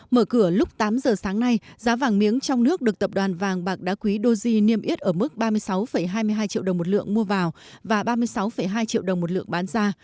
mở cửa lúc tám giờ sáng nay giá vàng miếng trong nước được tập đoàn vàng bạc đá quý doji niêm yết ở mức ba mươi sáu hai mươi hai triệu đồng một lượng mua vào và ba mươi sáu hai triệu đồng một lượng bán ra